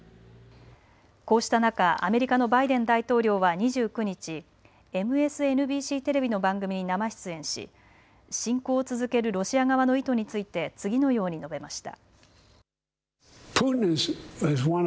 こうした中、アメリカのバイデン大統領は２９日、ＭＳＮＢＣテレビの番組に生出演し侵攻を続けるロシア側の意図について次のように述べました。